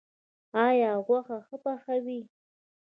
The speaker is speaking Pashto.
ایا غوښه ښه پخوئ؟